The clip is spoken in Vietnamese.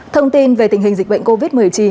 thông tin về tình hình dịch bệnh covid một mươi chín